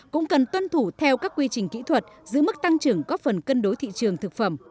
cũng cần tuân thủ theo các quy trình kỹ thuật giữ mức tăng trưởng góp phần cân đối thị trường thực phẩm